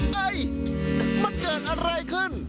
เฮ้ยมันเกิดอะไรขึ้น